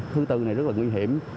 thứ tư này rất là nguy hiểm